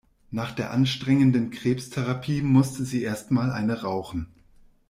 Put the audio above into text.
Nach der anstrengenden Krebstherapie musste sie erst mal eine rauchen.